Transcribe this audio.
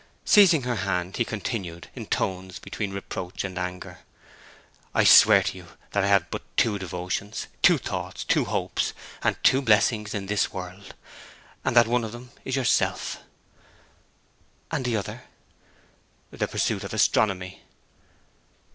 Seizing her hand he continued, in tones between reproach and anger, 'I swear to you that I have but two devotions, two thoughts, two hopes, and two blessings in this world, and that one of them is yourself!' 'And the other?' 'The pursuit of astronomy.'